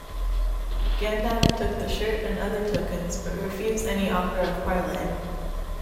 Gandalf took the shirt and other tokens, but refused any offer of parley.